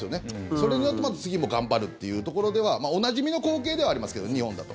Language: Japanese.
それによって、また次も頑張るっていうところではおなじみの光景ではありますけど、日本だと。